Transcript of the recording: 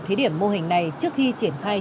thí điểm mô hình này trước khi triển khai